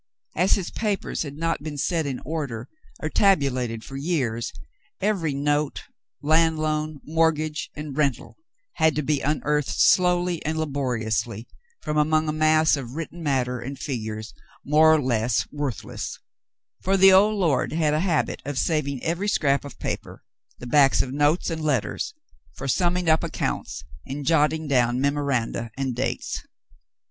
As his papers had not been set in order or tabulated for years, every note, land loan, mortgage, and rental had to be unearthed slowly and laboriously from among a mass of written matter and figures, more or less worthless ; for the old lord had a habit of saving every scrap of paper — the backs of notes and letters — for summing up accounts and jotting down memoranda and dates.